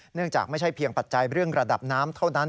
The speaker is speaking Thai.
เนื่องจากไม่ใช่เพียงปัจจัยเรื่องระดับน้ำเท่านั้น